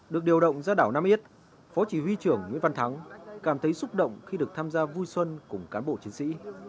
được điều động ra đảo nam yết phó chỉ huy trưởng nguyễn văn thắng cảm thấy xúc động khi được tham gia vui xuân cùng cán bộ chiến sĩ